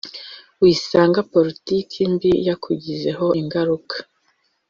wisanga politiki mbi yakugizeho ingaruka